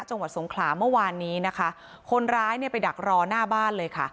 จังหวัดสงขลาเมื่อวานนี้นะคะคนร้ายเนี่ยไปดักรอหน้าบ้านเลยค่ะ